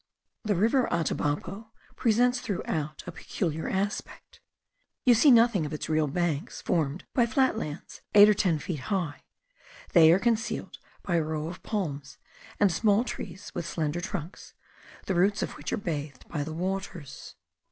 The river Atabapo presents throughout a peculiar aspect; you see nothing of its real banks formed by flat lands eight or ten feet high; they are concealed by a row of palms, and small trees with slender trunks, the roots of which are bathed by the waters.